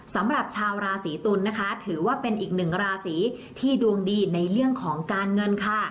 สำหรับชาวราศีตุลนะคะถือว่าเป็นอีกหนึ่งราศีที่ดวงดีในเรื่องของการเงินค่ะ